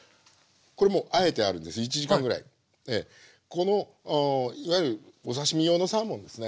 このいわゆるお刺身用のサーモンですね。